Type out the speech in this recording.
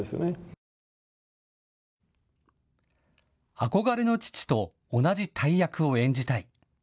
憧れの父と同じ大役を演じたい。